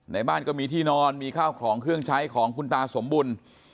บ้านก็มีที่นอนมีข้าวของเครื่องใช้ของคุณตาสมบูรณ์